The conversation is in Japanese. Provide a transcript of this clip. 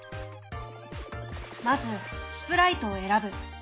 まずスプライトを選ぶ。